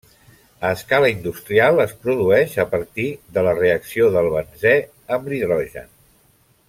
A escala industrial es produeix a partir de la reacció del benzè amb l'hidrogen.